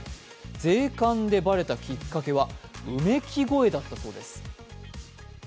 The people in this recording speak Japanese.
税関でばれたきっかけは、うめき声だったそうです。